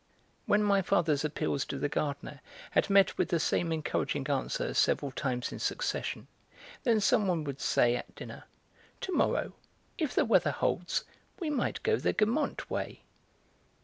when my father's appeals to the gardener had met with the same encouraging answer several times in succession, then some one would say, at dinner: "To morrow, if the weather holds, we might go the Guermantes way."